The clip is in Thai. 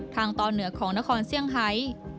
ทางตอนเหนือของนครเซี่ยงไฮ